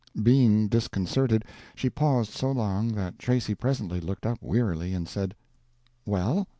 Being disconcerted, she paused so long that Tracy presently looked up wearily and said: "Well?"